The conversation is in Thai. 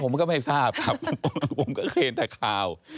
ผมก็ไม่ทราบครับผมก็เคยเห็นแต่ข่าว